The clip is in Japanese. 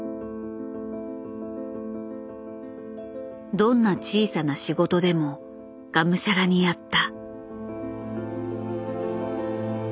どんな小さな仕事でもがむしゃらにやった。